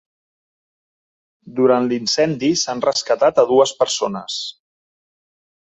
Durant l’incendi s’han rescatat a dues persones.